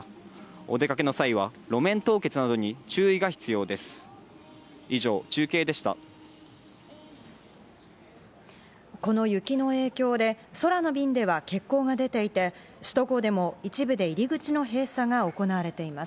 お出かけの際は路面凍結などに注意が必要です。